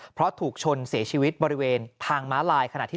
เพราะถูกชนเสียชีวิตบริเวณทางม้าลายขณะที่